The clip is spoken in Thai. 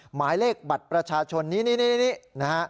หมายเลขบัตรประชาชนนี้นี่นะฮะ